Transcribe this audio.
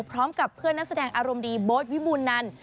พร้อมกับเพื่อนนักแสดงอารมณ์ดีโบ๊ทวิบูรณัน